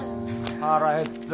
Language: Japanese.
腹減った。